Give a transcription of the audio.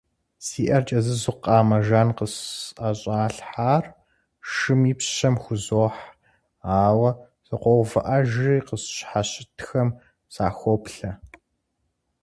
Си Ӏэр кӀэзызу, къамэ жан къысӀэщӀалъхьар шым и пщэм хузохь, ауэ сыкъоувыӀэжри, къысщхьэщытхэм сахоплъэ.